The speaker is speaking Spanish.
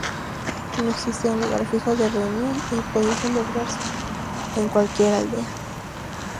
No existía un lugar fijo de reunión y podía celebrarse en cualquier aldea.